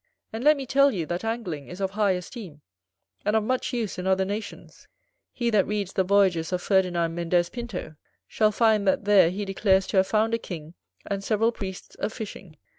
And let me tell you, that Angling is of high esteem, and of much use in other nations. He that reads the Voyages of Ferdinand Mendez Pinto, shall find that there he declares to have found a king and several priests a fishing.